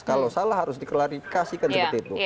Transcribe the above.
kalau salah harus diklarifikasikan seperti itu